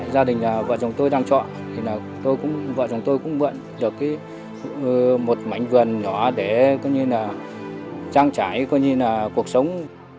gia đình vợ chồng tôi đang chọn vợ chồng tôi cũng mượn được một mảnh vườn nhỏ để trang trải cuộc sống